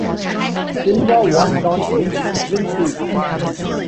Silva worked on Lynch's "Twin Peaks".